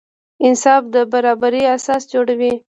انصاف د برابري اساس جوړوي.